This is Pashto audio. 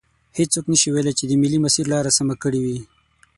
هیڅوک نشي ویلی چې د ملي مسیر لار سمه کړي وي.